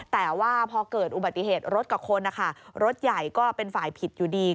แต่ว่าพอเกิดอุบัติเหตุรถกับคนนะคะรถใหญ่ก็เป็นฝ่ายผิดอยู่ดี